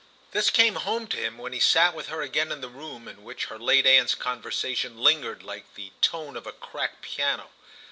This came home to him when he sat with her again in the room in which her late aunt's conversation lingered like the tone of a cracked piano.